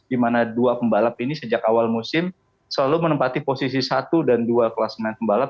di mana dua pembalap ini sejak awal musim selalu menempati posisi satu dan dua kelas main pembalap